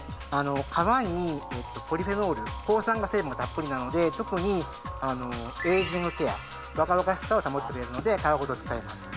皮にポリフェノール抗酸化成分がたっぷりなので特にエイジングケア若々しさを保ってくれるので皮ごと使います